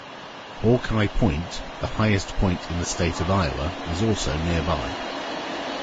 Hawkeye Point, the highest point in the State of Iowa, is also nearby.